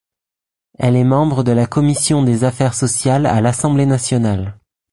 Elle est membre de la Commission des Affaires sociales à l'Assemblée nationale.